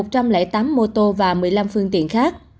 tại ô tô một một trăm linh tám mô tô và một mươi năm phương tiện khác